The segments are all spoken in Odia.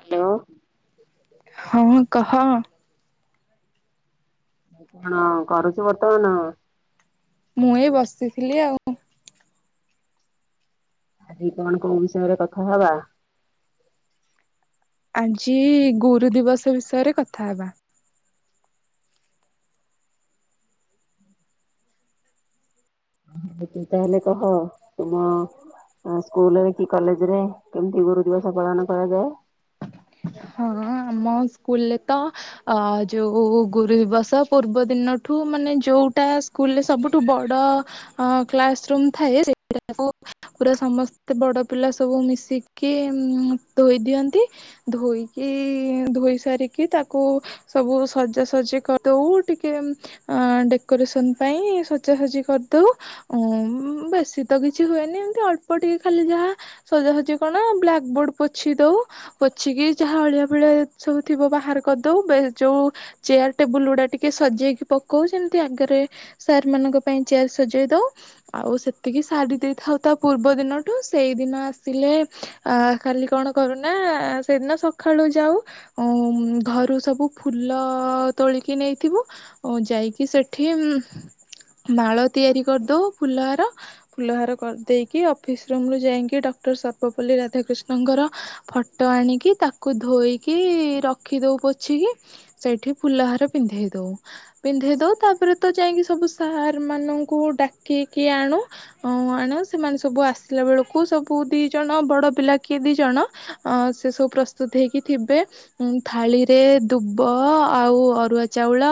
ହ୍ୟାଲୋ ହଁ କହ। କଣ କରୁଛ ବର୍ତ୍ତମାନ? ମୁଇଁ ବସିଥିଲି ଆଉ। ଆଜି କଣ କୋଉ ବିଷୟରେ କଥା ହବା। ଆଜି ଗୁରୁ ଦିବସ ବିଷୟରେ କଥା ହବା। ତୁ ତାହେଲେ କହ ତୁମ ସ୍କୁଲରେ କି କଲେଜ ରେ କେମତି ଗୁରୁ ଦିବସ ପାଳନ କରାଯାଏ। ହଁ ଆମ ସ୍କୁଲରେ ତ ଅ ଯୋଉ ଗୁରୁ ଦିବସ ପୂର୍ବ ଦିନଠୁ ମାନେ ଯୋଉଟା ସ୍କୁଲରେ ସବୁଠୁ ବଡ କ୍ଲାସ ରୁମ ଥାଏ ସେଟାକୁ ପୁରା ସମସ୍ତେ ବଡ ପିଲା ସବୁ ମିଶିକି ଧୋଇ ଦିଅନ୍ତି। ଧୋଇକି ଧୋଇ ସାରିକି ତାକୁ ସବୁ ସଜାସଜି କରିଦଉ ଟିକେ ଡେକୋରେସନ ପାଇଁ ସଜାସଜି କରିଦଉ ଉ ବେଶୀ ତ କିଛି ହୁଏନି ଏମିତି ଅଳ୍ପ ଟିକେ ଖାଲି ଯାହା ସଜାସଜି କଣ ବ୍ଲାକ୍ ବୋର୍ଡ ପୋଛି ଦଉ। ଅଛି କିି ଯାହା ଅଳିଆ ଭଳିଆ ସବୁ ଥିବ ବାହାର କରିଦଉ ଯୋଉ ଚେୟାର ଟେବୁଲ ଗୁଡା ଟିକେ ସଜେଇକି ପକଉ ସେମିତି ଆଗରେ ସାର୍ ମାନଙ୍କ ପାଇଁ ଚେୟାର ସଜେଇ ଦଉ ଆଉ ସେତିକି ସାରି ଦେଇଥାଉ ତା ପୂର୍ବ ଦିନଠୁ ସେଇ ଦିନ ଆସିଲେ ଖାଲି କଣ କରୁନା। ସେଦିନ ସକାଳୁ ଯାଉ ଘରୁ ସବୁ ଫୁଲ ତୋଳିକି ନେଇଥିବୁ ଯାଇକି ସେଠି ମାଳ ତିଆରି କରିଦଉ ଫୁଲହାର ଫୁଲହାର କରି ଦେଇେଇକି ଅଫିସ ରୁମ ରୁ ଯାଇକି ଡକ୍ଟର ସର୍ବପଲ୍ଲୀ ରାଧାକ୍ରୃିଷ୍ଣଙ୍କର ଫଟୋ ଆଣି କି ତାକୁ ଧୋଇକି ରଖିଦଉ ପୋଛିକି ସେଇଠି ଫୁଲ ହାର ପିନ୍ଧେଇ ଦଉ ପିନ୍ଧେଇ ଦଉ ତାପରେ ତ ଯାଇକି ସବୁ ସାର୍ ମାନଙ୍କୁ ଡାକିକି ଆଣୁ ଆଣୁ ସେମାନେ ସବୁ ଆସିଲା ବେଳକୁ ସବୁ ଦି ଜଣ ବଡ ପିଲା କିଏ ଦି ଜଣ ସେ ସବୁ ପ୍ରସ୍ତୁତ ହେଇକି ଥିବେ ଉ ଥାଳିରେ ଦୁବ ଆଉ ଅରୁଆ ଚାଉଳ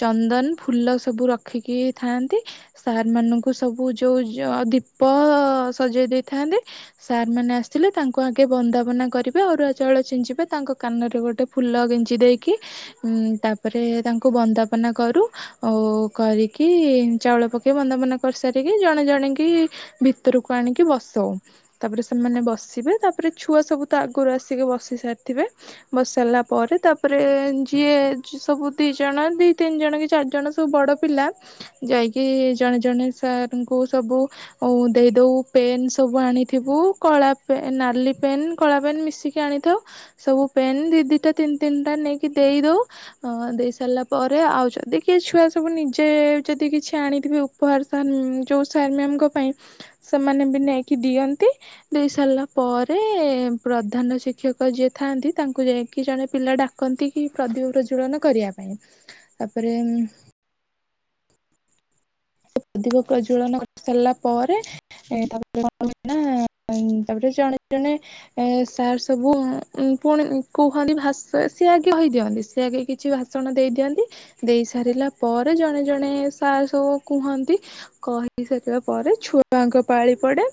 ଚନ୍ଦନ ଫୁଲ ସବୁ ରଖିକି ଥାଆନ୍ତି ସାର୍ ମାନଙ୍କୁ ସବୁ ଯୋଉ ଦୀପ ସଜେଇ ଦେଇଥାନ୍ତି ସାର୍ ମାନେ ଆସିଲେ ତାଙ୍କୁ ଆଗେ ବନ୍ଦାପନା କରି ଅରୁଆ ଚାଉଳ ଛିଞ୍ଚିବେ ତାଙ୍କ କାନରେ ଗୋଟେ ଫୁଲ ଗେଞ୍ଜି ଦେଇକି ତାପରେ ତାଙ୍କୁ ବନ୍ଦାପନା କରୁ ଓ କରିକି ଚାଉଳ ପକେଇ ବନ୍ଦାପନା କରିସାରିକି ଜଣେ ଜଣେ କି ଭିତରକୁ ଆଣିକି ବସଉ ତାପରେ ସେମାନେ ବସିବେ ତାପରେ ଛୁଆ ସବୁ ତ ଆଗରୁ ଆସିକି ବସି ସାରିଥିବେ ବସି ସାରିଲା ପରେ ତାପରେ ଯିଏ ସବୁ ଦି ଜଣ ଦିଇ ତିନି ଜଣ କି ଚାରି ଜଣ ସବୁ ବଡ଼ ପିଲା ଯାଇକି ଜଣେ ଜଣେ ସାର୍ ଙ୍କୁ ସବୁ ଦେଇଦଉ ପେନ୍ ସବୁ ଆଣିଥିବୁ କଳା ନାଲି ପେନ୍ କଳା ପେନ୍ ମିଶିକି ଆଣିଥାଉ ସବୁ ପେନ୍ ଦି ଦିଟା ତିନି ତିନିଟା ନେଇକି ଦେଇଦଉ ଦେଇ ସାରିଲା ପରେ ଆଉ ଯଦି କି ଛୁଆ ସବୁ ନିଜେ ଯଦି କିଛି ଆଣିଥିବେ ଉପହାର ସାର୍ ଯୋଉ ସାର୍ ମାମ୍ ଙ୍କ ପାଇଁ ସେମାନେ ବି ନେଇକି ଦିଅନ୍ତି ଦେଇ ସାରିଲା ପରେ ପ୍ରଧାନ ଶିକ୍ଷକ ଯିଏ ଥାଆନ୍ତି ତାଙ୍କୁ ଯାଇକି ଜଣେ ପିଲା ଡାକନ୍ତି କି ପ୍ରଦୀପ ପ୍ରଜଳନ କରିବା ପାଇଁ ତାପରେ ପ୍ରଦୀପ ପ୍ରଜଜ୍ୱଳନ କରି ସାରିଲା ପରେ ତାପରେ କଣ କ ତାପରେ ଜଣେ ଜଣେ ଏ ସାର୍ ସବୁ ପୁଣି କୁହନ୍ତି ସିଏ ଆଗେ ହେଇ ଦିଅନ୍ତି ସିଏ ଆଗେ କିଛି ଭାଷଣ ଦେଇଦିଅନ୍ତି ଦେଇ ସାରିଲା ପରେ ଜଣେ ଜଣେ ସାର୍ ସବୁ କୁହନ୍ତି କହି ସାରିଲ ପରେ ଛୁଆଙ୍କ ପାଳି ପଡେ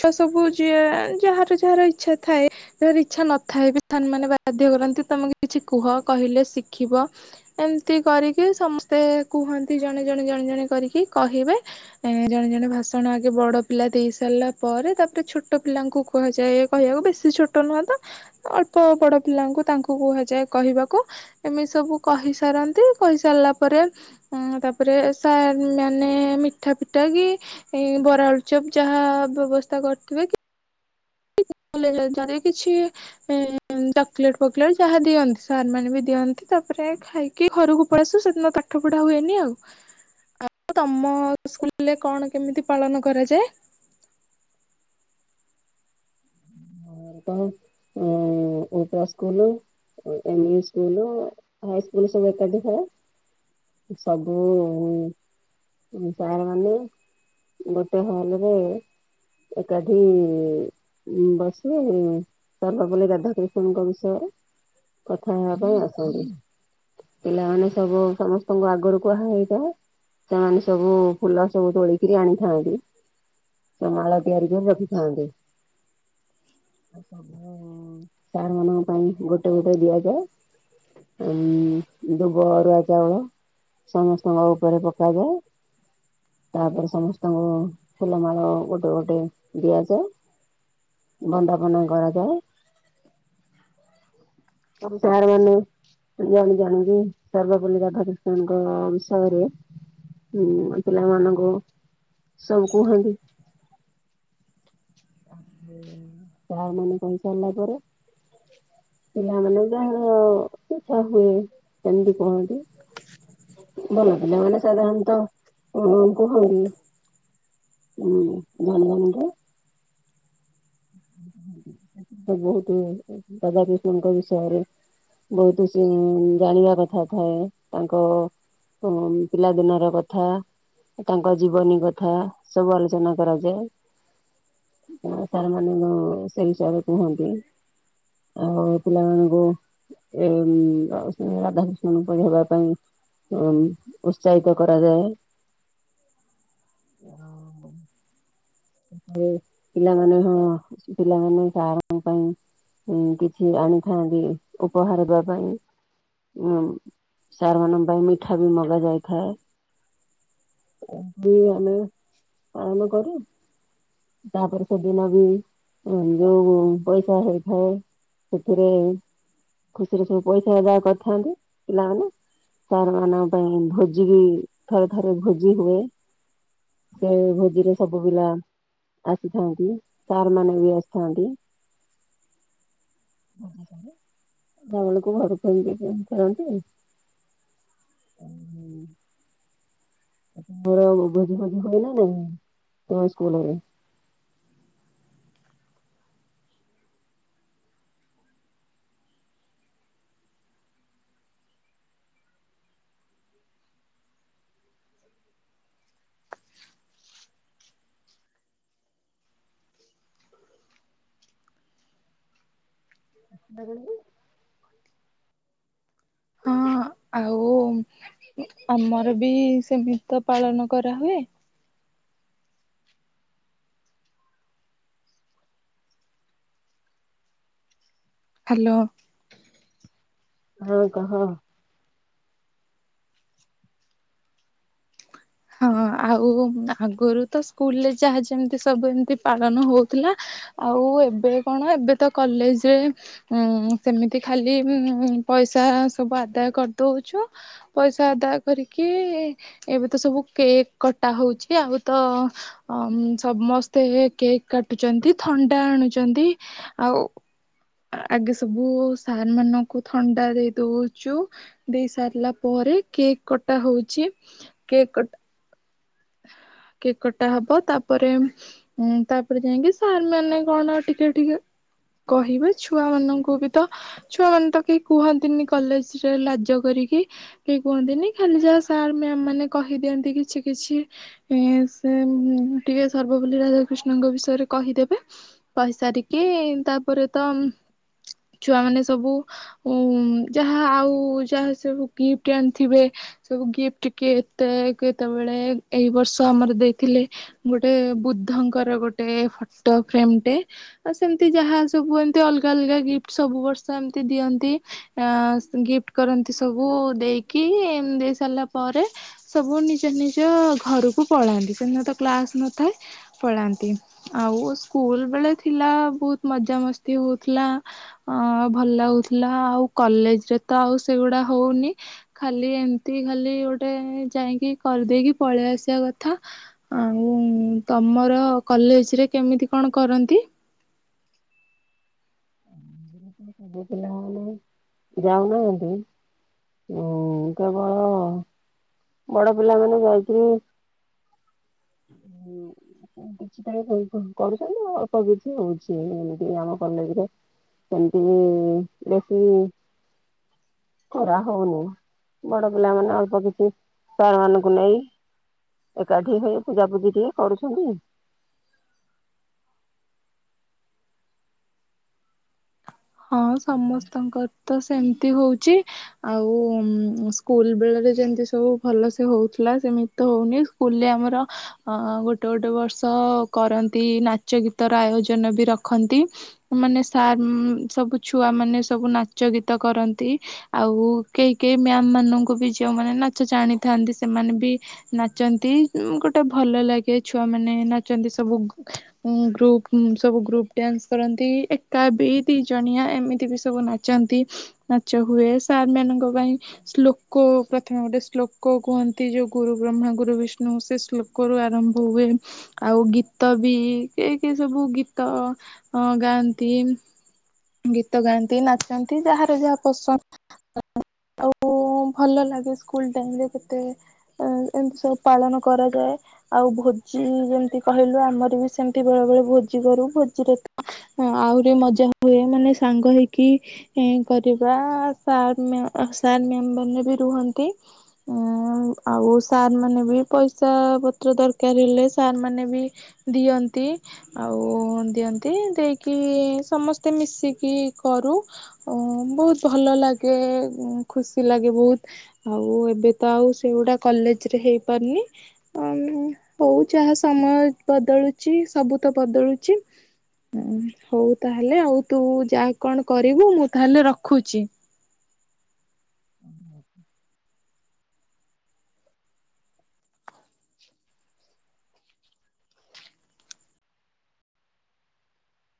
ଛୁଆ ସବୁ ଯିଏ ଯାହାର ଯାହାର ଇଚ୍ଛା ଥାଏ ଯା ଇଚ୍ଛା ନଥାଏ ବି ସାର୍ ମାନେ ବାଧ୍ୟ କରନ୍ତି ତମକୁ କିଛି କୁହ କହିଲେ ଶିଖିବ ଏମିତି କରିକି ସମସ୍ତେ କୁହନ୍ତି ଜଣେ ଜଣେ ଜଣେ ଜଣେ କରିକି କହିବେ ଏ ଜଣେ ଜଣେ ଭାଷଣ ଆଗେ ବଡ ପିଲା ଦେଇ ସାରିଲା ପରେ ତାପରେ ଛୋଟ ପିଲାଙ୍କୁ କୁହାଯାଏ କହିବାକୁ ବେଶୀ ଛୋଟ ନୁହଁ ତ ଅଳ୍ପ ବଡ ପିଲାଙ୍କୁ ତାଙ୍କୁ କୁହାଯାଏ କହିବାକୁ ଏମିତି ସବୁ କହିସାରନ୍ତି କହି ସାରିଲା ପରେ ତାପରେ ସାର୍ ମାନେ ମିଠା ପିଠା କି ବରାଆଳୁ ଚପ୍ ଯାହା ବ୍ୟବସ୍ଥା କରିଥିବେ କି କିଛି ଚକଲେଟ ଫକ୍ଲେଟ ଯାହା ଦିଅନ୍ତି ସାର୍ ମାନେ ବି ଦିଅନ୍ତି ତାପରେ ଖାଇକି ଘରକୁ ପଳିଆସୁ ସେଦିନ ପାଠ ପୁଢା ହୁଏନି ଆଉ ଆଉ ତମ ସ୍କୁରେ କଣ କେମିତି ପାଳନ କରାଯାଏ। ଉପ ସ୍କୁକୁଲୁ ଇଂଲିସ୍ ସ୍କୁଲୁ ହାଇ ସ୍କୁଲ ସବୁ ଏକାଠି ହଏ ସବୁ ସାର୍ ମାନେ ଗୋଟେ ହଲରେ ଏକାଠି ସେ ସର୍ବପଲ୍ଲୀ ରାଧା କିଷ୍ଣଙ୍କ ବିଷୟରେ କଥା ହେବା ପାଇଁ ଆସନ୍ତି ପିଲାମାନେ ସବୁ ସମସ୍ତଙ୍କୁ ଆଗରୁ କୁହା ହେଇଥାଏ ସେମାନେ ସବୁ ଫୁଲ ସବୁ ତୋଳିକିରି ଆଣିଥାନ୍ତି ସୁ ମାଳ ତିଆରି କରି ରଖିଥାନ୍ତି। ସବୁ ସାର୍ ମାନଙ୍କ ପାଇଁ ଗୋଟେ ଗୋଟେ ଦିଆଯାଏ ଉ ଦୁବ ଅରୁଆ ଚାଉଳ ସମସ୍ତଙ୍କ ଉପରେ ପକାଯାଏ ତାପରେ ସମସ୍ତଙ୍କୁ ଫୁଲମାଳ ଗୋଟେ ଗୋଟେ ଦିଆଯାଏ। ବନ୍ଦାପନା କରାଯାଏ। ସବୁ ସାର୍ ମାନେ ଜାଣ ଜାଣନ୍ତି ସର୍ବପଲ୍ଲୀ ରାଧାକୃଷ୍ଣଙ୍କ ଅସରେ ଉଁ ପିଲାମାନାନଙ୍କୁ ସବୁ କୁହନ୍ତି। ସାର୍ ମାନେ କହିସାରିଲା ପରେ ପିଲାମାନୋନଙ୍କୁ ଯାହାର ଇଚଛା ହୁଏ ସେମତି କୁହନ୍ତି ଭଲ ପିଲାମାନୋନ ସାଧାରଣତଃ କୁହନ୍ତି ଉଁ ଜନ ଜନକୁ ବହୁତ ରାଧାକୃଷ୍ଣଙ୍କ ବିଷୟରେ ବହୁତ ଜାଣିବା କଥା ଥାଏ ତାଙ୍କ ପିଲାଦିନର କଥା ତାଙ୍କ ଜୀବନୀ କଥା ସବୁ ଆଲୋଚନା କରାଯାଏ। ସାର୍ ମାନଙ୍କୁ ସେ ବିଷୟରେ କୁହନ୍ତି ଆଉ ପିଲାମାନଙ୍କୁ ଏ ରାଧାକୃଷ୍ଣଙ୍କୁ ପଢେଇବା ପାଇଁ ଉ ଉତ୍ସାହିତ କରାଯାଏ ଆଉ। ପରେ ପିଲାମାନେ ହଁ ପିଲାମାନେ ସାର୍ଙ୍କ ପାଇଁ କିଛି ଆଣିଥାନ୍ତି ଉପହାର ଦେବା ପାଇଁ ଉ ସାର୍ ମାନଙ୍କ ପାଇଁ ମିଠା ବି ମଗା ଯାଇଥାଏ ଆମେ ପାଳନ କରୁ। ତାପରେ ସେଦିନ ବି ଯୋଉ ପଇସା ହେଇଥାଏ ସେଥିରେ ଖୁସିରେ ସବୁ ପଇସା କରିଥାନ୍ତି ପିଲାମାନେ ସାର୍ ମାନଙ୍କ ପାଇଁ ଭୋଜି ବି ଥରେ ଥରେ ଭୋଜି ହୁଏ ସେ ଭୋଜିରେ ସବୁ ସବବିଲା ଆସିଥାନ୍ତି ସାର ମାନେ ବି ଆସିଥାନ୍ତି ଘରକୁେକି ଖେଳନ୍ତି। ର ଭୋଜି ଫୋଜି ହୁଏ ନା ନାଇଁ ତମ ସ୍କୁଲରେ। [unintelligible] ହଁ ଆଉ ଆମର ବି ସେମିତି ତ ପାଳନ କରାହୁୁଏ। ହ୍ୟାଲୋ। ହଁ କହ। ହଁ ଆଉ ଆଗରୁ ତ ସ୍କୁଲରେ ଯାହା ଯେମିତି ସବୁ ଏମତି ପାଳନ ହଉଥିଲା ଆଉ ଏବେ କଣ ଏବେ ତ କଲେଜରେ ଉ ସେମିତି ଖାଲି ପଇସା ସବୁ ଆଦାୟ କରିଦଉଛୁ ପଇସା ଆଦାୟ କରିକି ଏବେ ତ ସବୁ କେକ୍ କଟା ହଉଛି ଆଉ ତ ସମସ୍ତେ କେକ୍ କାଟୁଛନ୍ତି ଥଣ୍ଡା ଆଣୁଛନ୍ତି ଆଉ ଆଗେ ସବୁ ସାର୍ ମାନଙ୍କୁ ଥଣ୍ଡା ଦେଇ ଦଉଛୁ ଦେଇ ସାରିଲା ପରେ କେକ୍ କଟା ହଉଛି କେକ୍ଟ କେକଟା ହବ ତାପରେ ଉ ତାପରେ ଯାଇକି ସାର୍ ମାନେ କଣ ଟିକେ ଟିକେ କହିବେ ଛୁଆ ମାନଙ୍କୁ ବି ତ ଛୁଆ ମାନେ ତ କେହି କୁହନ୍ତିନି କଲେଜ ରେ ଲାଜ କରିକି କେହି କୁହନ୍ତିନି ଖାଲି ଯାହା ସାର୍ ମାନେ କହିଦିଅନ୍ତି କିଛି କିଛି। ସେ ଟିକେ ସର୍ବପଲ୍ଲୀ ରାଧାକୃଷ୍ଣଙ୍କ ବିଷୟରେ କହିଦେବେ କହିସାରିକି ତାପରେ ତ ଛୁଆ ମାନେ ସବୁ ଉ ଯାହା ଆଉ ଯାହା ସବୁ ଗିଫ୍ଟ ଆଣିଥିବେ ସବୁ ଗିଫ୍ଟ କି ଏତେ କେତେବେଳେ। ଏଇ ବର୍ଷ ଆମର ଦେଇଥିଲେ ଗୋଟେ ବୁଦ୍ଧଙ୍କର ଗୋଟେ ଫଟୋ ଫ୍ରେମଟେ ଆଉ ସେମିତି ଯାହା ସବୁ ଏମିତି ଅଲଗା ଅଲଗା ଗିଫ୍ଟ ସବୁ ବର୍ଷ ଏମିତି ଦିଅନ୍ତି ଆ ଗିଫ୍ଟ କରନ୍ତି ସବୁ ଦେଇକି ଦେଇ ସାରିଲା ପରେ ସବୁ ନିଜ ନିଜ ଘରକୁ ପଳାାନ୍ତି ସେଦ ତ କ୍ଲାସ୍ ନଥାଏ ପଳାାନ୍ତି ଆଉ ସ୍କୁଲ ବେଳେ ଥିଲା ବହୁତ ମଜାମସ୍ତି ହେଉଥିଲା ଭଲ ଲାଗୁଥିଲା ଆଉ କଲେଜରେ ତ ଆଉ ସେଗୁଡ଼ା ହୋଉନି ଖାଲି ଏମିତି ଖାଲି ଗୋଟେ ଯାଇକି କରିଦେଇକି ପଳେଇ ଆସିବା କଥା ଆଉ ତମର କଲେଜ ରେ କେମିତି କଣ କରନ୍ତି? ସବୁ ପିଲାମାନୋନ ଯାଉନାହାନ୍ତି ଉ କେବଳ ବଡ ପିଲାମାନୋନ ଯାଇକରି କିଛି ଟ କରୁଛନ୍ତି ଅଳ୍ପ କିଛି ହଉଛି ଏମିତି ଆମ କଲେଜରେ। ସେମିତି ବେଶୀ କରା ହଉନି ବଡ ପିଲାମାନୋନେ ଅଳ୍ପ କିଛି ସ ମାନଙ୍କୁ ନେଇ ଏକାଠି ହେଇ ପୂଜାପୂଜି ଟିକେ କରୁଛନ୍ତି। ହଁ ସମସ୍ତଙ୍କ ତ ସେମିତି ହଉଛି ଆଉ ସ୍କୁଲ ବେଳରେ ଯେମିତି ସବୁ ଭଲ ସେ ହଉଥିଲା ସେମିତି ତ ହଉନି ସ୍କୁଲରେ ଆମର ଗୋଟେ ଗୋଟେ ବର୍ଷ କରନ୍ତି ନାଚ ଗୀତର ଆୟୋଜନ ବି ରଖନ୍ତି ମାନେ ସାର୍ ସବୁ ଛୁଆମାନେ ସବୁ ନାଚ ଗୀତ କରନ୍ତି ଆଉ କେହି କେହି ମ୍ୟାାମ ମାନଙ୍କୁ ବି ଯେଉଁମାନେ ନାଚ ଜାଣିଥାନ୍ତି ସେମାନେ ବି ନାଚନ୍ତି ଗୋଟେ ଭଲ ଲାଗେ ଛୁଆମାନେ ନାଚନ୍ତି ସବୁ ଗ୍ରୁପ ସବୁ ଗ୍ରୁପ୍ ଡ୍ୟାନ୍ସ କରନ୍ତି ଏକା ବି ଦତିି ଜଣିଆ ଏମିତି ବି ସବୁ ନାଚନ୍ତି ନାଚ ହୁଏ ସାର୍ ମାନଙ୍କ ପାଇଁ ଶ୍ଳୋକ ପ୍ରଥମେ ଗୋଟେ ଶ୍ଳୋକ କୁହନ୍ତି ଯୋଉ ଗୁରୁ ବ୍ରହ୍ମା ଗୁରୁ ବିଷ୍ଣୁ ସେ ଶ୍ଳୋକରୁ ଆରମ୍ଭ ହୁଏ ଆଉ ଗୀତ ବି କି କି ସବୁ ଗୀତ ଗାଆନ୍ତି। ଗୀତ ଗାଆନ୍ତି ନାଚନ୍ତି ଯାହାର ଯାହା ପସନ୍ଦ ଆଉ ଭଲ ଲାଗେ ସ୍କୁଲ ଟାଇମରେ କେତେ ଏମତି ସବୁ ପାଳନ କରାଯାଏ ଆଉ ଭୋଜି ଯେମିତି କହିଲୁ ଆମର ବି ସେମତି ବେଳେ ବେଳେ ଭୋଜି କରୁ ଭୋଜିରେ ଆହୁରି ମଜା ହ ହୁଏ ମାନେ ସାଙ୍ଗ ହେଇକି କରିବା ସାର୍ ମ୍ୟା ସାର୍ ମ୍ୟାାମ ମାନେ ବି ରୁହନ୍ତି ଆଉ ସାରମାନେ ବି ପଇସା ପତ୍ର ଦରକାର ହେଲେ ସାରମାନେ ବି ଦିଅନ୍ତି ଆଉ ଦିଅନ୍ତି ଦେଇକି ସମସ୍ତ ମତେ ମିଶିକି କରୁ ବହୁତ ଭଲ ଲାଗେ ଖୁସି ଲାଗେ ବହୁତ ଆଉ ଏବେ ତ ଆଉ ସେଗୁଡା କଲେଜ ରେ ହେଇପାରୁନି ହଉ ଯାହା ସମୟ ବଦଳୁଛି ସବୁ ତ ବଦଳୁଛି ହଉ ତା ହେଲେ ଆଉ ତୁ ଯାହା କଣ କରିବୁ ମୁଁ ତାହଲେ ରଖୁଛି। ହ [inaudible]